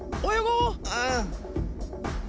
うん。